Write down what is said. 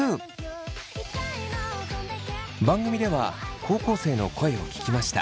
番組では高校生の声を聞きました。